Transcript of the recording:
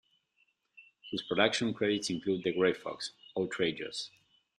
His production credits include "The Grey Fox", "Outrageous!